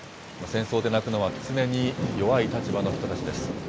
戦争で泣くのは、常に弱い立場の人たちです。